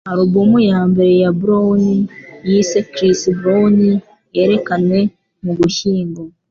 Album ya mbere ya Brown yise "Chris Brown", yerekanwe mu Gushyingo .